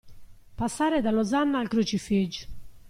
Passare dall'osanna al crucifige.